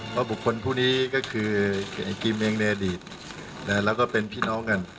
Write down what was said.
เพราะบุคคลผู้นี้ก็คือไอ้กิมเองในอดีตแล้วก็เป็นพี่น้องกัน